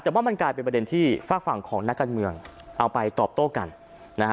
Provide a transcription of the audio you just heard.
แต่ว่ามันกลายเป็นประเด็นที่ฝากฝั่งของนักการเมืองเอาไปตอบโต้กันนะฮะ